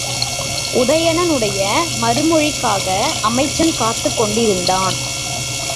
உதயணனுடைய மறுமொழிக்காக அமைச்சன் காத்துக் கொண்டிருந்தான்.